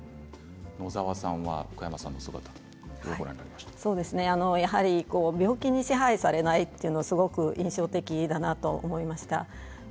野澤さんは福山さんの姿どうご覧になりましたか？病気に支配されないというのは印象的だなと思いました。